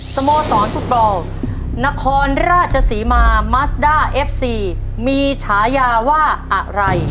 สโมสรฟุตบอลนครราชศรีมามัสด้าเอฟซีมีฉายาว่าอะไร